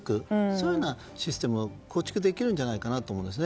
そういうようなシステムを構築できるんじゃないかなと思います。